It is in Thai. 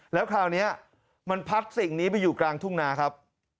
แล้วคราวนี้มันพัดสิ่งนี้ไปอยู่กลางทุ่งนาครับ